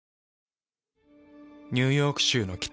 ニューヨーク州の北。